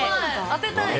当てたい！